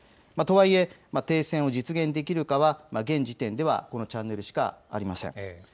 とはいえ、停戦を実現できるかは現時点ではこのチャンネルしかありません。